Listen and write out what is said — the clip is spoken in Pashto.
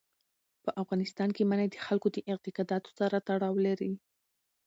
په افغانستان کې منی د خلکو د اعتقاداتو سره تړاو لري.